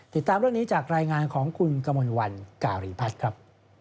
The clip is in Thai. ติดตามเรื่องนี้จากรายงานของคุณกมลวันการีพัฒน์ครับ